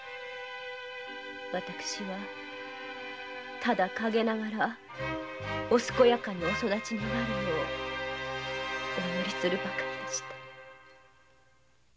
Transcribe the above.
私はただ陰ながら健やかにお育ちになるようお祈りしておりました。